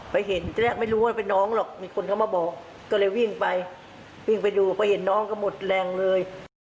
ไปเห็นที่แรกไม่รู้ว่าเป็นน้องหรอกมีคนเข้ามาบอกก็เลยวิ่งไปวิ่งไปดูไปเห็นน้องก็หมดแรงเลย